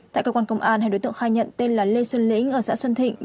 tại cơ quan công an hai đối tượng khai nhận tên là lê xuân lĩnh ở xã xuân thịnh